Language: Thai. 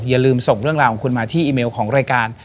อย่าลืมส่งเรื่องราวของคุณมาที่อีเมลของรายการ